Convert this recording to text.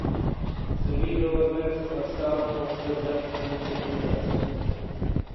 The visual effects are some of the best in the industry.